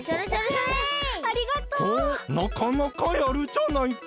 ほうなかなかやるじゃないか！